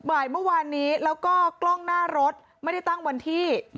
บ่ายเมื่อวานนี้แล้วก็กล้องหน้ารถไม่ได้ตั้งวันที่